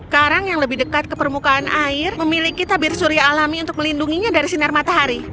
karang yang lebih dekat ke permukaan air memiliki tabir surya alami untuk melindunginya dari sinar matahari